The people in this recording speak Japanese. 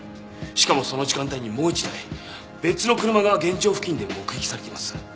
しかもその時間帯にもう１台別の車が現場付近で目撃されています。